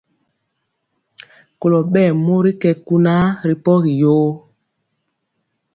Kolɔ ɓɛɛ mori kɛ kunaa ri pɔgi yoo.